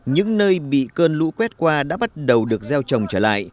những nơi bị cơn lũ quét qua đã bắt đầu được gieo trồng trở lại